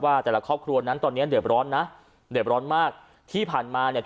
แต่ละครอบครัวนั้นตอนเนี้ยเดือดร้อนนะเดือดร้อนมากที่ผ่านมาเนี่ย